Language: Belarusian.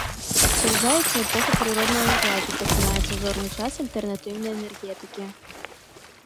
Сцвярджаецца эпоха прыроднага газу, пачынаецца зорны час альтэрнатыўнай энергетыкі.